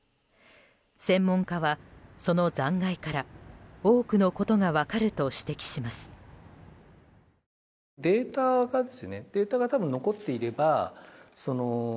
専門家は、その残骸から多くのことが分かると指摘します。